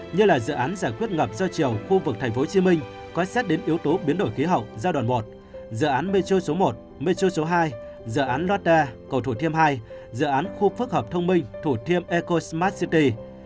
như là dự án giải quyết ngập do chiều khu vực tp hcm có xét đến yếu tố biến đổi khí hậu giai đoạn một dự án metro số một metro số hai dự án lotda cầu thủ thiêm hai dự án khu phức hợp thông minh thủ thiêm ecosmart city